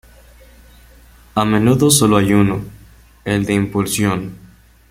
A menudo solo hay uno, el de impulsión.